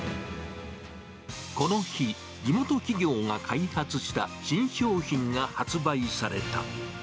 この日、地元企業が開発した新商品が発売された。